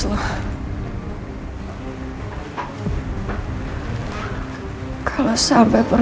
hidup lo juga akan hancur